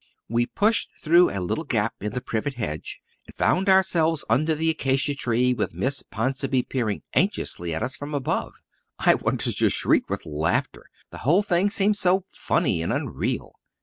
We pushed through a little gap in the privet hedge and found ourselves under the acacia tree with Miss Ponsonby peering anxiously at us from above. I wanted to shriek with laughter, the whole thing seemed so funny and unreal.